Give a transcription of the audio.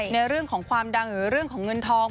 ในเรื่องของความดังหรือเรื่องของเงินทอง